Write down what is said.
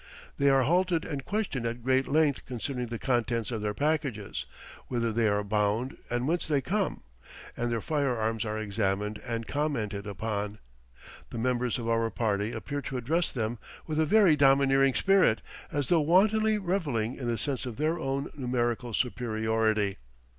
They are halted and questioned at great length concerning the contents of their packages, whither they are bound and whence they come; and their firearms are examined and commented upon. The members of our party appear to address them with a very domineering spirit, as though wantonly revelling in the sense of their own numerical superiority.